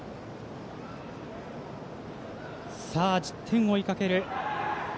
１０点を追いかける